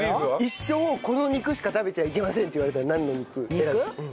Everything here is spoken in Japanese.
一生この肉しか食べちゃいけませんって言われたらなんの肉選ぶ？